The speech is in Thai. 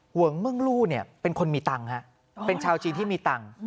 ห่วงเมืองลู่เป็นคนมีตังค์เป็นชาวจีนที่มีตังค์